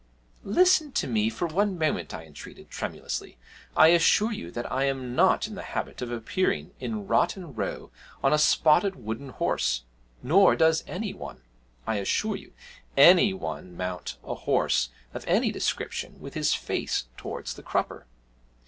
'Listen to me for one moment,' I entreated tremulously. 'I assure you that I am not in the habit of appearing in Rotten Row on a spotted wooden horse, nor does any one, I assure you any one mount a horse of any description with his face towards the crupper!